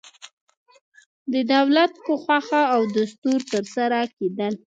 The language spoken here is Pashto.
د دولت په خوښه او دستور ترسره کېدل.